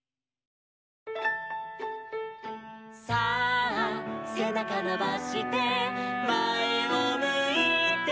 「さあせなかのばしてまえをむいて」